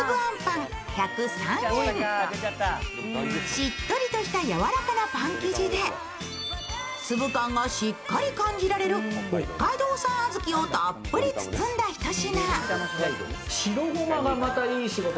しっとりとしたやわらかなパン生地で、粒感がしっかり感じられる北海道小豆をたっぷり包んだ一品。